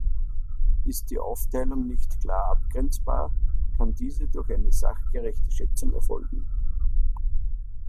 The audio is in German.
Ist die Aufteilung nicht klar abgrenzbar, kann diese durch eine sachgerechte Schätzung erfolgen.